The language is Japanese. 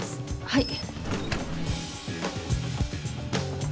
はい。